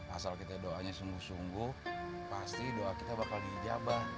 asal kita doanya sungguh sungguh pasti doa kita bakal dihijabah